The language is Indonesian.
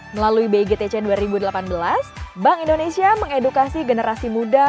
melalui bgtcn dua ribu delapan belas bank indonesia mengedukasi generasi muda